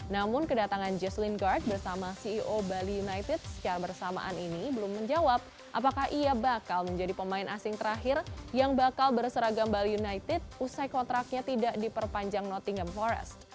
namun kedatangan jessleyngard bersama ceo bali united secara bersamaan ini belum menjawab apakah ia bakal menjadi pemain asing terakhir yang bakal berseragam bali united usai kontraknya tidak diperpanjang nottingham forest